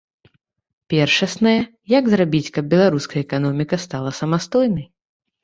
Першаснае, як зрабіць, каб беларуская эканоміка стала самастойнай.